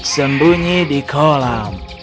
sembunyi di kolam